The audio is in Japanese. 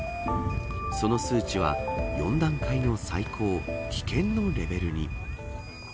その数値は４段階の最高危険のレベルに。